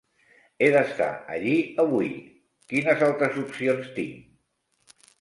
He d'estar allí avui, quines altres opcions tinc?